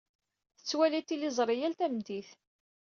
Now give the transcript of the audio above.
Tettwali tiliẓri yal tameddit.